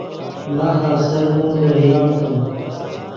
ماخ آفسرنے لریم تے